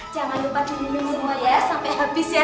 jangan lupa minum semua ya sampe habis ya